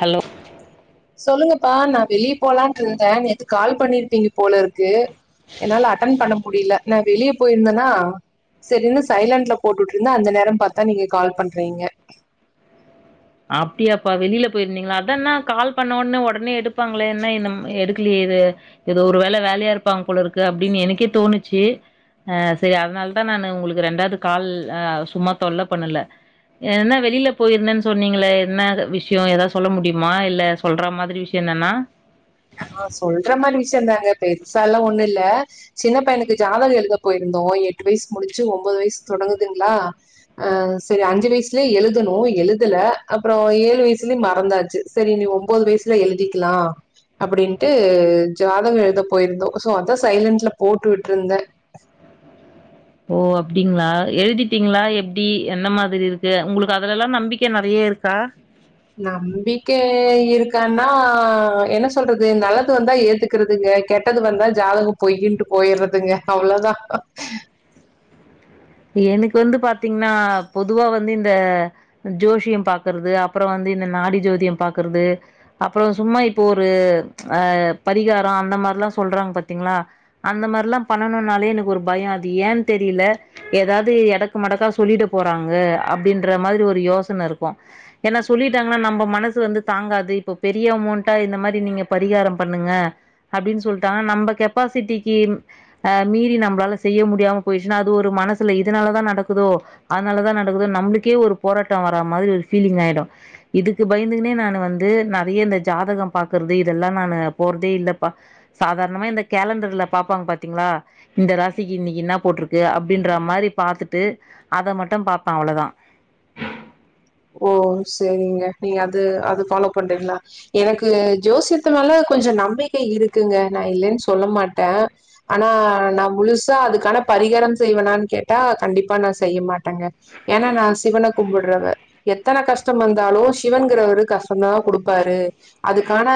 Hello சொல்லுங்கப்பா நா வெளியே போலான்ட்டு இருந்தே நேத்து கால் பண்ணிருப்பீங்க போல இருக்கு என்னால அட்டன் பண்ண முடில நா வெளியே போயிருந்தேனா செரின்னு சைலண்ட்ல போட்டுட்டு இருந்தா அந்த நேரோ பாத்தா நீங்க கால் பண்றீங்க அப்டியாப்பா வெளில போயிருந்தீங்களா அத்தா நா கால் பண்ண ஒடனே ஒடனே எடுப்பாங்ளே என்ன இன்னு எடுக்லயே இது எதோ ஒரு வேல வேலையா இருப்பாங்க போலருக்கு அப்டின்னு எனக்கே தோணுச்சு ஆ சேரி அதனாலதா நானு உங்களுக்கு ரெண்டாவது கால் ஆ சும்மா தொல்ல பண்ணல என்ன வெளில போயிருந்தனு சொன்னிங்ளே என்னது விஷயோ எதாவது சொல்ல முடியுமா இல்ல சொல்ற மாரி விஷியந்தானா ஆ சொல்ற மாரி விஷியந்தாங்க பெருசாலா ஒன்னு இல்ல சின்ன பையனுக்கு ஜாதகோ எழுத போயிருந்தோ எட்டு வயசு முடிச்சு ஒன்பது வயசு தொடங்குதுங்ளா ஆ சேரி அஞ்சு வயசுலே எழுதணு எழுதுல அப்றோ ஏழு வயசுலயு மறந்தாச்சு செரி இனி ஒம்போது வயசுல எழுதிக்கலா அப்டின்ட்டு ஜாதகோ எழுத போயிருந்தோ சோ அதா சைலன்ட்ல போட்டு விட்டுருந்தே ஓ அப்டிங்களா எழுதிட்டீங்களா எப்டி என்ன மாரி இருக்கு உங்களுக்கு அதுல எல்லா நம்பிக்க நெறைய இருக்கா நம்பிக்க இருக்கான்னா என்ன சொல்றது நல்லது வந்தா ஏத்து கறதுங்க கெட்டது வந்தா ஜாதகோ பொய்யின்ட்டு போயிறதுங்க அவ்ளோதா எனக்கு வந்து பாத்தீங்கன்னா பொதுவா வந்து இந்த ஜோஷியோ பாக்குறது அப்புறோ வந்து இந்த நாடி ஜோதியோ பாக்குறது அப்பறோ சும்மா இப்போ ஒரு ஆ பரிகாரோ அந்த மாரில்லா சொல்றாங்க பாத்தீங்களா அந்த மார்லா பண்ணணுன்னாலே எனக்கு ஒரு பயோ அது ஏன்னு தெரியல எதாவது எடக்கு மடக்கா சொல்லிட போறாங்க அப்டின்ற மாரி ஒரு யோசன இருக்கு ஏன்னா சொல்லிட்டாங்கன்னா நம்ம மனசு வந்து தாங்காது இப்ப பெரிய அமௌண்டா இந்த மாரி நீங்க பரிகாரம் பண்ணுங்க அப்டின்னு சொல்லிட்டாங்க நம்ம கெப்பாசிட்டிக்கு ஆ மீறி நம்மளால செய்ய முடியாம போயிடுச்சுன்னா அது ஒரு ட்டு மனசுல இதுனால தா நடக்குதோ அதுனாலதா நடக்குதோ நம்ளுக்கே ஒரு போராட்டோ வரா மாதிரி ஒரு ஃபீலிங் ஆயிடு இதுக்கு பயந்துக்குனே நானு வந்து நெறைய இந்த ஜாதகம் பாக்குறது இதெல்லா நானு போறதே இல்லப்பா சாதாரணமா இந்த கேலண்டர்ல பாப்பாங்க பாத்தீங்ளா இந்த ராசிக்கி இன்னக்கி என்னா போட்டிருக்கு அப் அப்டின்ற மாரி பாத்துட்டு அத மட்டு பாப்பே அவ்ளோதா ஓ செரிங்க நீங்க அது அது ஃபாலோ பண்றீங்ளா எனக்கு ஜோசியத்து மேலலா கொஞ்சோ நம்பிக்க இருக்குங்க நா இல்லன்னு சொல்ல மாட்டே ஆனா நா முழுசா அதுக்கான பரிகாரம் செய்வேனான்னு கேட்டா கண்டிப்பா நா செய்ய மாட்டங்க ஏன்னா நா சிவன கும்புடுறவ எத்தன கஷ்டம் வந்தாலு சிவனுங்கிறவரு கஷ்டந்தா குடுப்பாரு அதுக்கான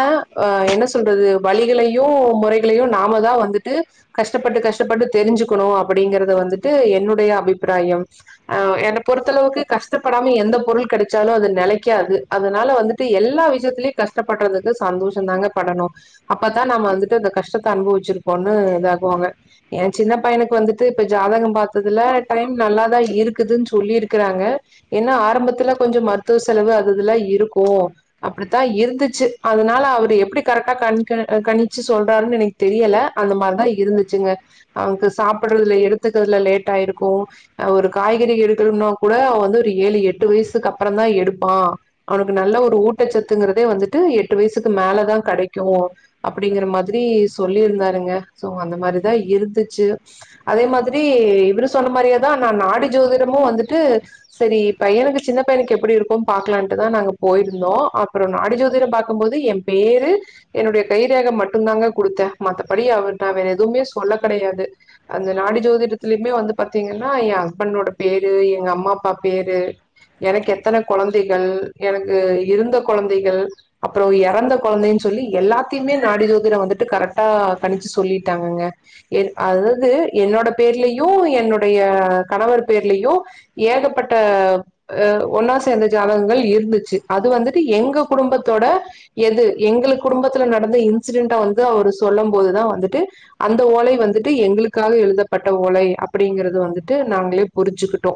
ஆ என்ன சொல்றது வழிகளையு முறைகளையு நாம தா வந்துட்டு கஷ்டப்பட்டு கஷ்டப்பட்டு தெரிஞ்சுக்கணு அப்டிங்கிறத வந்துட்டு என்னுடைய அபிப்பிராயம் அ என்ன பொறுத்தளவுக்கு கஷ்டப்படாம எந்தப் பொருள் கெடைச்சாலு அது நெலைக்காது அதுனால வந்துட்டு எல்லா விஷியத்தலயு கஷ்டப்படுறதுக்கு சந்தோஷம் தாங்க படனு அப்பத்தா நம்ம வந்துட்டு அந்த கஷ்டத்த அனுபவிச்சிருக்கோன்னு இதாக்குவாங்க ஏ சின்ன பையனுக்கு வந்துட்டு இப்ப ஜாதகம் பாத்ததுல டைம் நல்லாதா இருக்குதுன்னு சொல்லிருக்குறாங்க என்ன ஆரம்பத்துல கொஞ்சோ மருத்துவ செலவு அது இதுல்லா இருக்கு அப்டித்தா இருந்துச்சு அதுனால அவரு எப்டி கரெக்டா கண்க கணிச்சு சொல்றாருன்னு எனக்கு தெரியல அந்த மாரிதா இருந்துச்சுங்க நமக்கு சாப்புடுறதுல எடுத்துக்குறதுல லேட் ஆயிருக்கு ஒரு காய்கறி எடுக்கணும்னா கூட அவெ வந்து ஒரு ஏழு எட்டு வயசுக்கு அப்பறந்தா எடுப்பா அவனுக்கு நல்ல ஒரு ஊட்டச்சத்துங்குறதே வந்துட்டு எட்டு வயசுக்கு மேலதா கெடைக்கு அப்டிங்கிற மாதிரி சொல்லிருந்தாருங்க சோ அந்த மாரிதா இருந்துச்சு அதே மாதிரி இவரு சொன்ன மாரியேதா நா நாடி ஜோதிடமு வந்துட்டு செரி பையனுக்கு சின்ன பையனுக்கு எப்டி இருக்கு பாக்கலான்ட்டுதா நாங்க போயிருந்தோ அப்பறோ நாடி ஜோதிடர பாக்கும்போது எம் பேரு என்னுடைய கை ரேக மட்டுந்தாங்க குடுத்தே மத்தபடி அவர் நா வேற எதுவுமே சொல்ல கெடையாது அந்த நாடி ஜோதிடத்தலயுமே வந்து பாத்தீங்கன்னா ஏ ஹஸ்பண்டோட பேரு எங்க அம்மா அப்பா பேரு எனக்கு எத்தன கொழந்தைகள் எனக்கு இருந்த கொழந்தைகள் அப்பறோ எறந்த குழந்தைன்னு சொல்லி எல்லாத்தையுமே நாடி ஜோதிடோ வந்துட்டு கரெக்டா கணிச்சு சொல்லிட்டாங்கங்க எத் அதாவது என்னோட பேர்லயு என்னுடைய கணவர் பேர்லயு ஏகப்பட்ட அ ஒன்னா சேந்த ஜாதகங்கள் இருந்துச்சு அது வந்துட்டு எங்க குடும்பத்தோட எது எங்களுக்கு குடும்பத்துல நடந்த இன்சிடென்ட வந்து அவரு சொல்லம்போதுதா வந்துட்டு அந்த ஓலை வந்துட்டு எங்களுக்காக எழுதப்பட்ட ஓலை அப்டிங்கிறது வந்துட்டு நாங்களே புரிஞ்சுக்கிட்டோ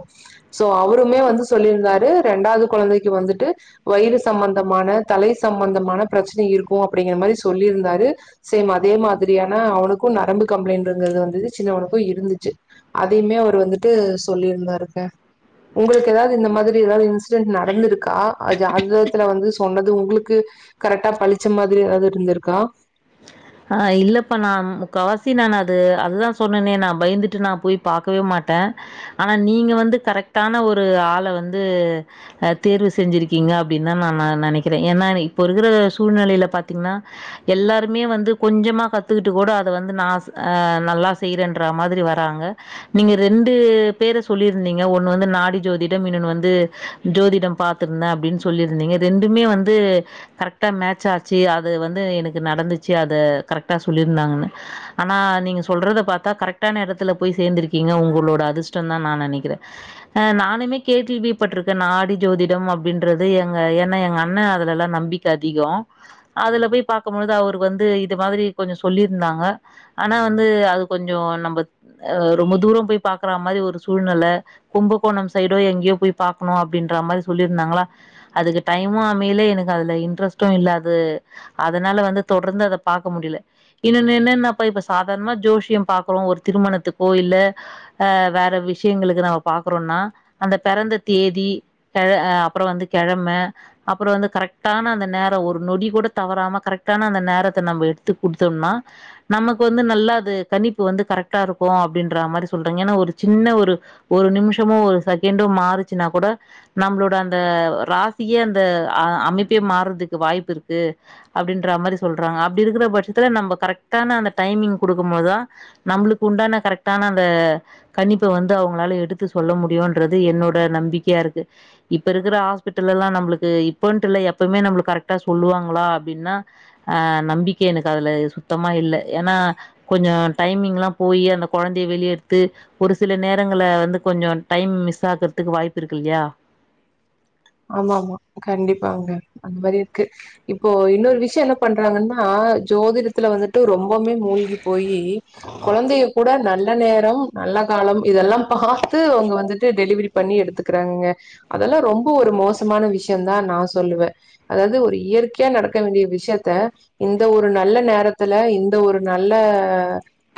சோ அவருமே வந்து சொல்லிருந்தாரு ரெண்டாவது கொழந்தைக்கு வந்துட்டு வயிறு சம்மந்தமான தலை சம்மந்தமான ப்ரச்சனை இருக்கு அப்டிங்கிற மாரி சொல்லி இருந்தாரு சேம் அதே மாதிரியான அவனுக்கு நரம்பு கம்ப்ளைண்ட்ங்குறது வந்துது சின்னவனுக்கு இருந்துச்சு அதையுமே அவர் வந்துட்டு சொல்லிருந்தாருங்க உங்களுக்கு எதாவது இந்த மாதிரி எதாவது இன்சிடென்ட் நடந்துருக்கா ஜாதகத்துல வந்து சொன்னது உங்களுக்கு கரெக்டா பழிச்ச மாதிரி எதாவது இருந்துருக்கா ஆ இல்லப்பா நா முக்காவாசி நானு அது அதுதா சொன்னனே நா பயந்துட்டு நா போய் பாக்கவே மாட்ட ஆனா நீங்க வந்து கரெக்டான ஒரு ஆள வந்து அ தேர்வு செஞ்சிருக்கீங்க அப்டின்னு தா நா நா நினைக்கிற ஏன்னா இப்ப இருக்குற சூழ்நிலைல பாத்தீங்ன்னா எல்லாருமே வந்து கொஞ்சமா கத்துக்கிட்டு கூட அத வந்து நா அ நல்லா செய்றன்ற மாதிரி வராங்க நீங்க ரெண்டு பேர சொல்லிருந்தீங்க ஒண்ணு வந்து நாடி ஜோதிடம் இன்னொன்னு வந்து ஜோதிடம் பாத்துருந்த அப்டின்னு சொல்லிருந்தீங்க ரெண்டுமே வந்து கரெக்டா மேட்ச் ஆச்சி அது வந்து எனக்கு நடந்துச்சி அ து கரெக்டா சொல்லிருந்தாங்கன்னு ஆனா நீங்க சொல்றத பாத்தா கரெக்டான எடத்தில போய் சேந்திருக் கீங்க உங்களோட அதிர்ஷ்டந் தா நா நினைக்கிற அ நானுமே கேள்விப்பட்ருக்க நாடி ஜோதிடம் அப்டின்றது எங்க ஏன்னா எங்க அண்ண அதுலல்லா நம்பிக் க அதிகோ அதுல போய் பாக்கம்பொது அவர் வந்து இது மாதிரி கொஞ்சோ சொல்லிருந்தாங்க ஆனா வந்து அது கொஞ்சோ நம்ம அ ரொம்ப தூரோ போய் பாக்குற மாரி ஒரு சூழ்நில கும்பகோணம் சைடோ எங்கயோ போய் பாக்கணு அப்டின்ற மாரி சொல்லிருந்தாங்களா அதுக்கு டைமு அமையில எனக்கு அதுல இன்ட்ரெஸ்ட்டு இல்ல அது அதனால வந்து தொடர்ந்து அத பாக்க முடியல இன்னொன்னு என்னன்னாப்பா இப்ப சாதாரணமா ஜோஷியோ பாக்குறோ ஒரு திருமணத்துக்கோ இல்ல அ வேற விஷயங்களுக்கு நம்ம பாக்குறோன்னா அந்த பெறந்த தேதி க அ அப்புறோ வந்து கெழம அப்புறோ வந்து கரெக்டான அந்த நேரோ ஒரு நொடி கூட தவறாம கரெக்டான அந்த நேரத் த நம்ம எடுத்து குடுத்தம்னா நமக்கு வந்து நல்ல அது கணிப்பு வந்து கரெக்ட்டா இருக்கு அப்டின்ற மாரி சொல்றாங்க ஏன்னா ஒரு சின்ன ஒரு ஒரு நிமிஷமு ஒரு செகண்டோ மாறிச்சின்னா கூட நம்மளோட அந்த ராசியே அந்த அ அமைப்பே மாறதுக்கு வாய்ப்பு இருக்கு அப்டின்ற மாரி சொல்றாங்க அப்படி இருக்கிற பட்சத்துல நம்ம கரெக்டான அந்த டைமிங் குடுக்கும் போதுதா நம்ளுக்கு உண்டான கரெக்டான அந்த கணிப்ப வந்து அவங்களால எடுத்து சொல்ல முடியுன்றது என்னோட நம்பிக்கையா இருக்கு இப்ப இருக்கிற ஹாஸ்பிட்டல் எல்லா நம்ளுக்கு இப்பன்ட்டு இல்ல எப்பமே நம்ளுக்கு கரெக்டா சொல்லுவாங்களா அப்டின்னா அ நம்பிக்கை எனக்கு அதுல சுத்தமா இல்ல ஏனா கொஞ்சோ டைமிங்லா போயி அந்த கொழந்தைய வெளிய எடுத்து ஒரு சில நேரங்கள வந்து கொஞ்சோ டைம் மிஸ் ஆகுறதுக்கு வாய்ப்பு இருக்கு இல்லயா ஆமாமா கண்டிப்பாங்க அந்த மாரி இருக்கு இப்போ இன்னொரு விஷயோ என்ன பண்றாங்கன்னா ஜோதிடத்துல வந்துட்டு ரொம் போமே மூழ்கி போயி கொழந்தைய கூட நல்ல நேரம் நல்ல காலம் இதெல்லாம் பாத்து அவங்க வந்துட்டு டெலிவரி பண்ணி எடுத்துக்கிறாங்கங்க அதெல்லா ரொம் ப ஒரு மோசமான விஷயந் தா நா சொல்லுவ அதாது ஒரு இயற்கையா நடக்க வேண்டிய விஷயத்த இந்த ஒரு நல்ல நேரத்துல இந்த ஒரு நல்ல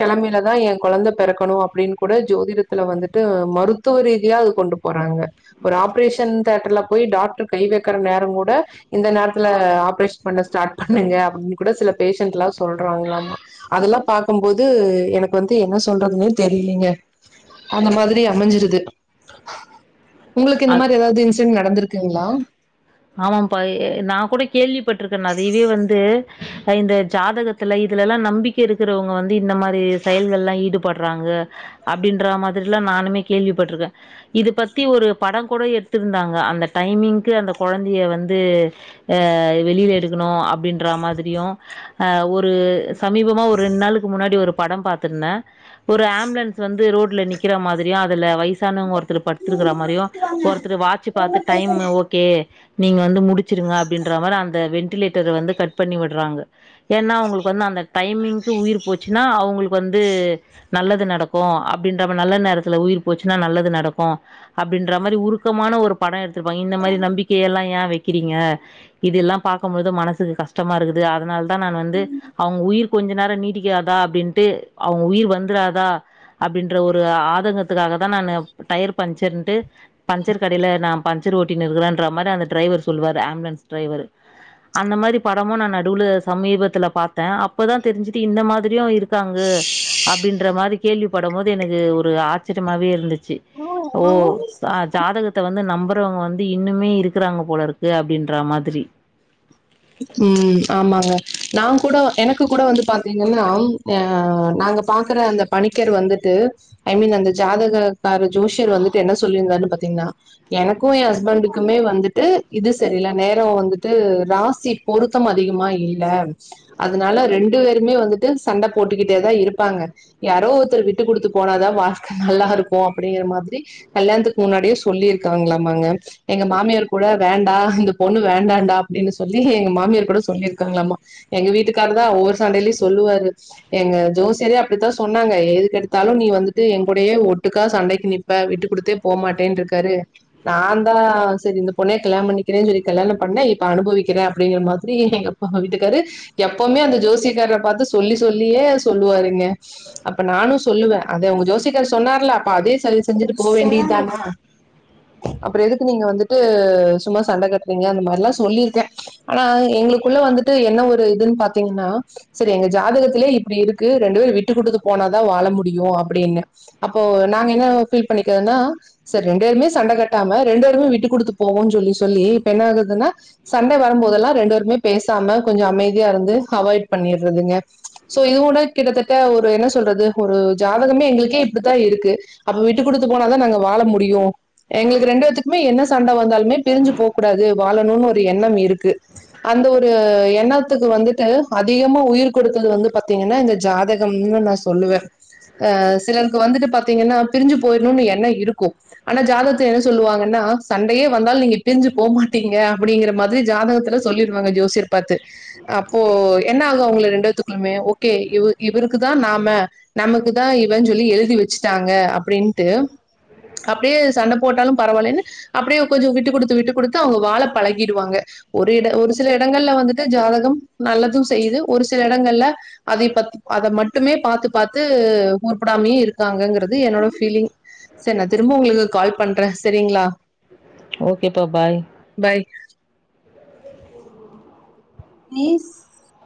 கெழமைலதா எ கொழந்த பெறக்கணு அப்படின்னு கூட ஜோதிடத்துல வந்துட்டு மரு த்துவ ரீதியா அது கொண்டு போறாங்க ஒரு ஆப்ரேஷன் தேட்டர்ல போய் டாக்டர் கை வைக்கிற நேரோ கூட இந்த நேரத்துல ஆப்ரேஷன் பண்ண ஸ்டாட் பண்ணுங்க அப்டின்னு கூட சில பேஷன்ட்ல்லா சொல்றாங்களாமா அதெல்லா பாக்கும்போது எனக்கு வந்து என்ன சொல்றதுன்னே தெரிலீங்க அந்த மாதிரி அமஞ்சிருது உங்களுக்கு இந்த மாதிரி ஏதாவது இன்சிடென்ட் நடந்துருக்குங்ளா ஆமாப்பா நா கூட கேள்விப்பட்ருக்க நறையவே வந்து பா இந்த ஜாதகத்துல இதுலல்லா நம்பிக்கை இருக்கிறவங்க வந்து இந்த மாரி செயல்கள்ல்லா ஈடுபடுறாங்க அப்டின்ற மாதிரில்லா நானுமே கேள்விப்பட்ருக்க இது பத்தி ஒரு படம் கூட எடுத்திருந்தாங்க அந்த டைமிங்க்கு அந்த கொழந்தைய வந்து ஆ வெளியில எடுக்கணு அப்டின்ற மாதிரியு ஒரு சமீபமா ஒரு ரெண்டு நாளுக்கு முன்னாடி ஒரு படம் பாத்துருந்த ஒரு ஆம்புலன்ஸ் வந்து ரோட்ல நிக்கிற மாதிரியு அதுல வயசானவங்க ஒரு த்தர் படுத்திருக்கிற மாரியு ஒருத்தர் வாட்ச பார்த்து டைம் ஓகே நீங்க வந்து முடிச்சுருங்க அப்டின்ற மாரி அந்த வெண்டிலேட்டர வந்து கட் பண்ணி விடுறாங்க ஏன்னா அவுங்களுக்கு வந்து அந்த டைமிங்க்கு உயிர் போச்சுனா அவங்களுக்கு வந்து நல்லது நடக்கு அப்டின்ற நல்ல நேரத்துல உயிர் போச்சுன்னா நல்லது நடக்கு அப்டின்ற மாரி உருக்கமான ஒரு படம் எடுத்திருப்பாங்க இந்த மாரி நம்பிக்கை எல்லா ஏன் வைக்கிறீங்க இது எல்லா பார்க்கும் பொழுது மனசுக்கு கஷ்டமா இருக்குது அதனால தா நா வந்து அவுங்க உயிர் கொஞ்ச நேரோ நீடிக்காதா அப்டின்ட்டு அவுங்க உயிர் வந்துறாதா அப்படின்ற ஒரு ஆதங்கத்துக்காக தா நானு டயர் பஞ்சர்ன்ட்டு பஞ்சர் கடையில நா பஞ்சர் ஓட்டின்னு இருக்கிறன்ற மாரி அந்த டிரைவர் சொல்லுவாரு ஆம்புலன்ஸ் டிரைவர் அந்த மாரி படமு நா நடுவுல சமீபத்துல பார்த்த அப்பதா தெரிஞ்சுட்டு இந்த மாதிரியு இருக்காங்க அப்டின்ற மாரி கேள்வி படும் போது எனக்கு ஒரு ஆச்சரியமாவே இருந்துச்சு ஓ ஜாதகத்த வந்து நம்புறவங்க வந்து இன்னுமே இருக்குறாங்க போல இருக்கு அப்டின்ற மாதிரி ம் ஆமாங்க நாங்க கூட எனக்கு கூட வந்து பாத்தீங்கனா அ நாங்க பாக்குற அந்த பணிக்கர் வந்துட்டு ஐ மீன் அந்த ஜாதகக்கார ஜோஷியர் வந்துட்டு என்ன சொல்லியிருந்தாருன் பாத்தீங்கனா எனக்கு என் ஹஸ்பண்டுக்குமே வந்துட்டு இது செரில நேரம் வந்துட்டு ராசி பொருத்தம் அதிகமா இல்ல அதனால ரெண்டு பேருமே வந்துட்டு சண்ட போட்டுக்கிட்டேதா இருப்பாங்க யாரோ ஒருத்தர் விட்டு குடுத்து போனாதா வாழ்க்க நல்லா இருக்கு அப்டிங்கிற மாதிரி கல்யாணத்துக்கு முன்னாடியே சொல்லிருக்காங்களாமாங்க எங்க மாமியார் கூட வேண்டா இந்த பொண்ணு வேண்டாண்டா அப்டின்னு சொல்லி எங்க மாமியார் கூட சொல்லியிருக்காங்ளம்மா எங்க வீட்டுக்காரர் தா ஒவ்வொரு சண்டையிலயு சொல்லுவாரு எங்க ஜோசியரே அப்டித்தா சொன்னாங்க எது கெடுத்தாலு நீ வந்துட்டு எங்குடையே ஒட்டுக்கா சண்டைக்கு நிப் ப விட்டு குடுத்தே போ மாட்டேன்னு இருக்காரு நா தா செரி இந்த பொண்ணே கல்யாணம் பண்ணிக்கிற செரி கல்யாண பண்ண இப்ப அனுபவிக்கிற அப்டிங்கிற மாதிரி எங்க அப்பா அ வீட்டுக்காரு எப்பவுமே அந்த ஜோசிக்கார பார்த்து சொல்லி சொல்லியே சொல்லுவாருங்க அப்ப நானு சொல்லுவ அத உங்க ஜோசிக்கர் சொன்னார்ல அப்ப அதே செரின்னு செஞ்சுட்டு போ வேண்டியதானா அப்புற எதுக்கு நீங்க வந்துட்டு சும்மா சண்ட கட்டுறீங்க அந்த மாரிலா சொல்லியிருக்க ஆனா எங்களுக்குள்ள வந்துட்டு என்ன ஒரு இதுன்னு பாத்தீங்னா செரி எங்க ஜாதகத்திலயே இப்டி இருக்கு ரெண்டு பேரு விட்டு குடுத்து போனாதா வாழ முடியு அப்டின்னு அப்போ நாங்க என்ன ஃபீல் பண்ணிக்கிறதுன்னா செரி ரெண்டு பேருமே சண்ட கட்டாம ரெண்டு பேருமே விட்டு குடுத்து போவோன் சொல்லி சொல்லி இப்ப என்ன ஆகுதுன்னா சண்ட வரும்போதெல்லா ரெண்டு பேருமே பேசாம கொஞ்சோ அமைதியா இருந்து அவாய்ட் பண்ணிறதுங்க சோ இது கூட கிட்டத்தட்ட ஒரு என்ன சொல்றது ஒரு ஜாதகமே எங்களுக்கே இபடித்தா இருக்கு அப்ப விட்டு குடுத்து போனாதா நாங்க வாழ முடியு எங்களுக்கு ரெண்டு பேத்துக்குமே என்ன சண்ட வந்தாலுமே பிரிஞ்சு போக கூடாது வாழணும்னு ஒரு எண்ணம் இருக்கு அந்த ஒரு எண்ணத்துக்கு வந்துட்டு அதிகமா உயிர் குடுத்தது வந்து பாத்தீங்கனா இந்த ஜாதகம்னு நா சொல்லுவ அ சிலருக்கு வந்துட்டு பாத்தீங்கனா பிரிஞ்சு போயிறணும்னு எண்ணம் இருக்கு ஆனா ஜாதகத்தில என்ன சொல்லுவாங்கன்னா சண்டையே வந்தாலு நீங்க பிரிஞ்சு போ மாட்டீங்க அப்டிங்கிற மாரி ஜாதகத் துல சொல்லிடுவாங்க ஜோசியர் பாத்து அப்போ என்ன ஆகு அவங்க ரெண்டுவேத்துக்குளுமே ஓகே இவ இவருக்குதா நாம நமக்கு தா இவன்னு சொல்லி எழுதி வச்சுட்டாங்க அப்டின்ட்டு அப்டியே சண்ட போட்டாலு பரவாயில்லன்னு அப்டியே கொஞ்சொ விட்டு குடுத்து விட்டு குடுத்து அவங்க வாழ பழகிடுவாங்க ஒரு இட ஒரு சில இடங்கள்ல வந்துட்டு ஜாதகம் நல்லதும் செய்யுது ஒரு சில இடங்கள்ல அதை பத்து அத மட்டுமே பாத்து பாத்து உற்படாமயு இருக்காங்கங்குறது என்னோட ஃபீலிங் செரி நா திரும்பவு உங்களுக்கு கால் பண்றே. சேரிங்களா? ஓகேப்பா பாய் பாய் மீஸ்